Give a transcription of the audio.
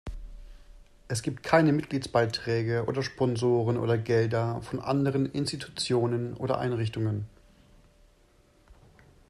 Es gibt keine Mitgliedsbeiträge oder Sponsoren oder Gelder von anderen Institutionen oder Einrichtungen.